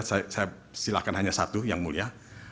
saya silakan hanya satu yang mulia